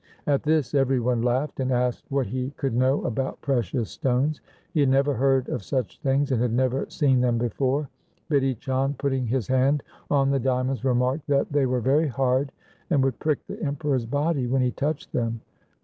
At this every one laughed, and asked what he could know about precious stones. He had never heard of such things, and had never seen them before. Bidhi Chand, putting his hand on the diamonds, remarked that they were very hard, and would prick the Emperor's body when he touched them.